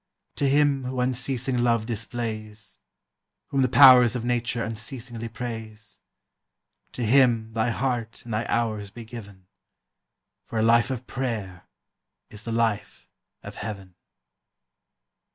To Him who unceasing love displays, Whom the powers of nature unceasingly praise, To Him thy heart and thy hours be given; For a life of prayer is the life of Heaven.